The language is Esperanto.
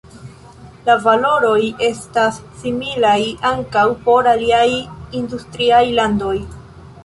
La valoroj estas similaj ankaŭ por aliaj industriaj landoj.